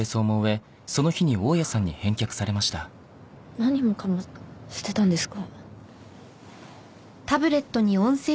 何もかも捨てたんですか？